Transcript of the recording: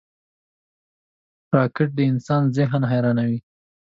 راکټ د انسان ذهن حیرانوي